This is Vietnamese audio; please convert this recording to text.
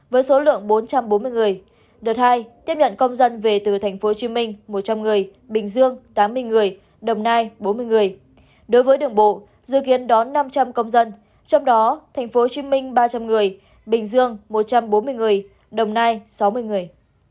với số lượng bốn trăm bốn mươi người đợt hai tiếp nhận công dân về từ tp hcm một trăm linh người bình dương tám mươi người đồng nai bốn mươi người đối với đường bộ dự kiến đón năm trăm linh công dân trong đó tp hcm ba trăm linh người bình dương một trăm bốn mươi người đồng nai sáu mươi người